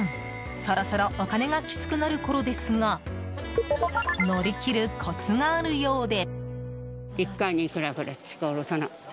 そろそろお金がきつくなるころですが乗り切るコツがあるようで。